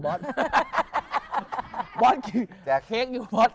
บอสกินเค้กอยู่